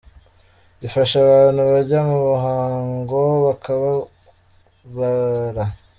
Ifasha abantu bajya mu muhango bakababara.